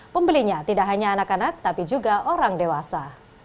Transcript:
pembelinya tidak hanya anak anak tapi juga orang dewasa